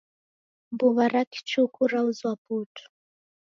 Mbuwa ra kichuku rauzwa putu